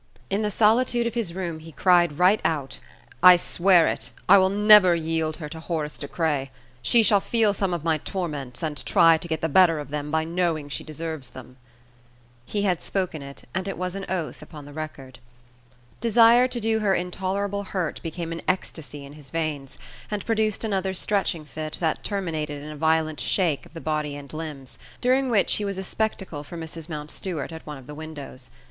In the solitude of his room he cried right out: "I swear it, I will never yield her to Horace De Craye! She shall feel some of my torments, and try to get the better of them by knowing she deserves them." He had spoken it, and it was an oath upon the record. Desire to do her intolerable hurt became an ecstasy in his veins, and produced another stretching fit that terminated in a violent shake of the body and limbs; during which he was a spectacle for Mrs. Mountstuart at one of the windows.